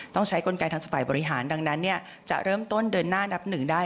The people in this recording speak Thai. ต้องใช้กลไกทางฝ่ายบริหารดังนั้นจะเริ่มต้นเดินหน้านับหนึ่งได้